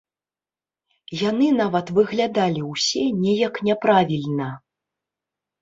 Яны нават выглядалі ўсе неяк няправільна.